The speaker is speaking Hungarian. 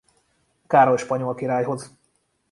Károly spanyol királyhoz.